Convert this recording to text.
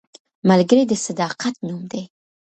ملګری د صداقت نوم دی